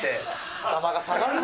頭が下がるな。